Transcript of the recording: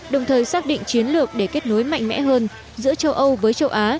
đồng thời xác định chiến lược để kết nối mạnh mẽ hơn giữa châu âu với châu á